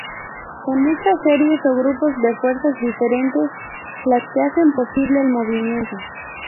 Son estas series o grupos de fuerzas diferentes las que hacen posible el movimiento.